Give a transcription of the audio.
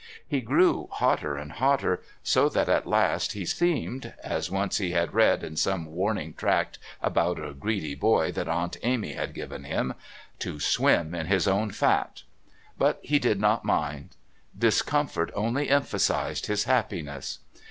He grew hotter and hotter, so that at last he seemed, as once he had read in some warning tract about a greedy boy that Aunt Amy had given him, "to swim in his own fat." But he did not mind. Discomfort only emphasised his happiness.